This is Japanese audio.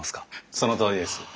そのとおりです。